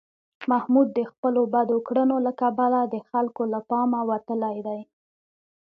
محمود د خپلو بدو کړنو له کبله د خلکو له پامه وتلی دی.